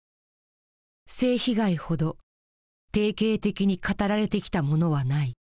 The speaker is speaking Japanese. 「性被害ほど定型的に語られてきたものはない」。